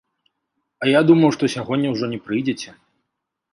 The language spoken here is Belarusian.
А я думаў, што сягоння ўжо не прыйдзеце.